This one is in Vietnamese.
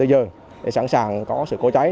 để sẵn sàng có sự cố cháy